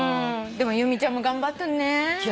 でも由美ちゃんも頑張ったね。